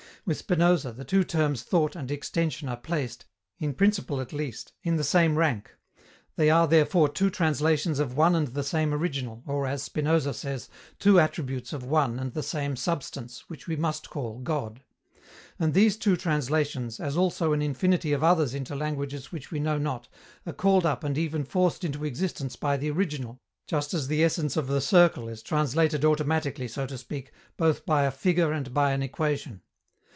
With Spinoza, the two terms Thought and Extension are placed, in principle at least, in the same rank. They are, therefore, two translations of one and the same original, or, as Spinoza says, two attributes of one and the same substance, which we must call God. And these two translations, as also an infinity of others into languages which we know not, are called up and even forced into existence by the original, just as the essence of the circle is translated automatically, so to speak, both by a figure and by an equation.